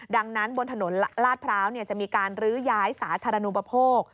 ดังนั้นบนถนนลาดพร้าวจะมีการลื้อย้ายสาธารณูปโภค